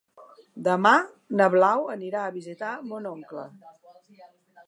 Demà na Blau anirà a visitar mon oncle.